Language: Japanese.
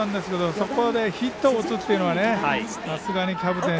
そこでヒットを打つっていうのはさすがにキャプテン